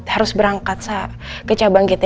harus berangkat ke cabang kita